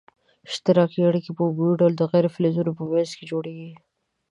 اشتراکي اړیکي په عمومي توګه د غیر فلزونو په منځ کې جوړیږي.